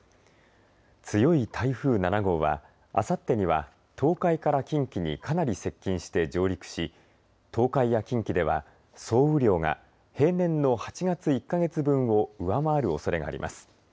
強い台風７号はあさってには東海から近畿にかなり接近して上陸し東海や近畿では総雨量が平年の８月１か月分を上回るおそれがあります。